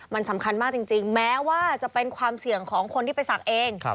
มันสำคัญมากจริงแม้ว่าจะเป็นความเสี่ยงของคนที่ไปศักดิ์เอง